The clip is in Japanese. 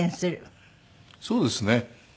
そうですね。